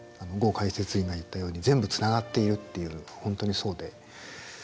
ゴウかいせついんが言ったように全部つながっているっていうの本当にそうで。